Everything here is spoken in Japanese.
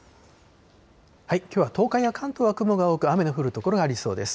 きょうは東海や関東は雲が多く、雨の降る所がありそうです。